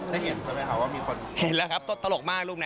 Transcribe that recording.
ได้เห็นสมัยเหรอว่ามีคนเห็นแล้วครับตลกมากรูปนั้น